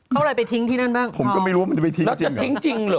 เขาอะไรไปทิ้งที่นั่นบ้างแล้วจะทิ้งจริงเหรอ